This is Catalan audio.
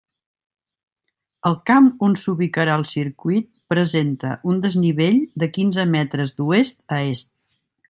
El camp on s'ubicarà el circuit presenta un desnivell de quinze metres d'oest a est.